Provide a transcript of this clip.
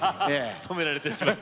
止められてしまう。